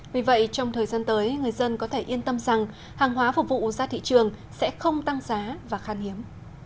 vì vậy trong thời gian tới người dân có thể yên tâm rằng hàng hóa phục vụ ra thị trường sẽ không tăng giá và khan hiếm